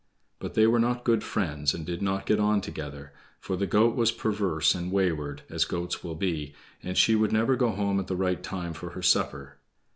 But they were not good friends, and did not get on together, for the goat was perverse and wayward, as goats will be, and she would never go home at the right time for her supper.